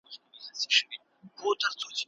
د لیکني په ترتیب کي فکري وضاحت ډېر مهم دی.